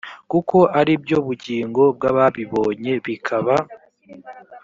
kuko ari byo bugingo bw ababibonye bikaba